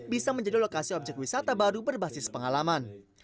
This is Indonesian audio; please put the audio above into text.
bisa menjadi lokasi objek wisata baru berbasis pengalaman